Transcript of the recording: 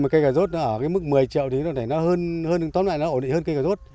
cây cà rốt ở mức một mươi triệu thì tóm lại nó ổn định hơn cây cà rốt